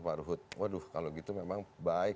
pak ruhut waduh kalau gitu memang baik